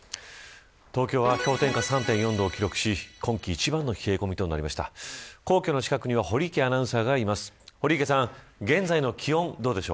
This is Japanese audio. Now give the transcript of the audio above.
東京は、氷点下３．４度を記録し今季一番の冷え込みとなりました。